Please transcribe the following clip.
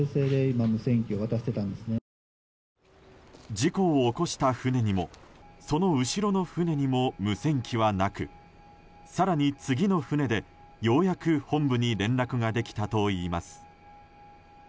事故を起こした船にもその後ろの船にも無線機はなく、更に次の船でようやく本部に連絡ができたといいます。